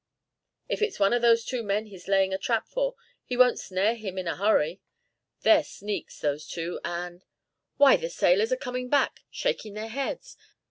"If it's one of those two men he's laying a trap for he won't snare him in a hurry. They're sneaks, those two, and Why, the sailors are coming back shaking their heads.